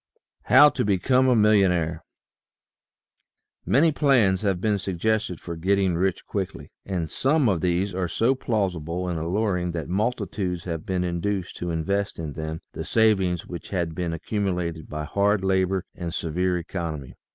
HOW TO BECOME A MILLIONAIRE jjANY plans have been suggested for getting rich quickly, and some of these are so plausible and alluring that multitudes have been induced to invest in them the savings which had been accu mulated by hard labor and severe economy.